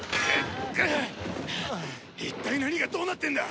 一体何がどうなってんだ！？